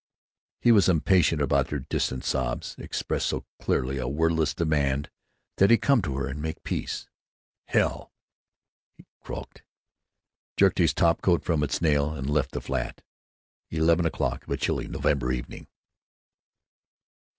He was impatient that her distant sobs expressed so clearly a wordless demand that he come to her and make peace. "Hell!" he crawked; jerked his top coat from its nail, and left the flat—eleven o'clock of a chilly November evening.